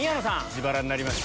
自腹になりました。